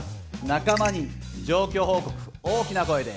仲間に状況報告大きな声で。